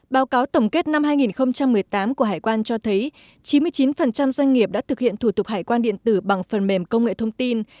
báo cáo tổng kết năm hai nghìn một mươi tám của hải quan cho thấy chín mươi chín doanh nghiệp đã thực hiện thủ tục hải quan điện tử bằng phần mềm công nghệ thông tin